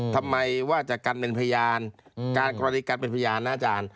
ว่าจะกันเป็นพยานการกรณีการเป็นพยานนะอาจารย์